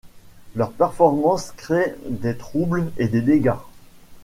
Leurs performances créent des troubles et des dégâts.